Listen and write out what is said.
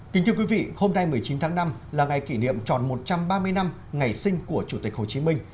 kính thưa quý vị hôm nay một mươi chín tháng năm là ngày kỷ niệm tròn một trăm ba mươi năm ngày sinh của chủ tịch hồ chí minh